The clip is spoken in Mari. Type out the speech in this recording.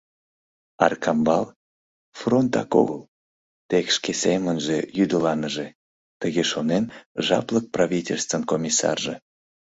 «Аркамбал — фронтак огыл, тек шке семынже йӱдыланыже, — тыге шонен Жаплык правительствын комиссарже.